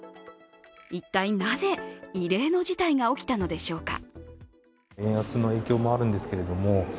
一体なぜ異例の事態が起きたのでしょうか。